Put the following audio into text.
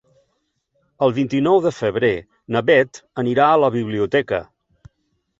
El vint-i-nou de febrer na Bet anirà a la biblioteca.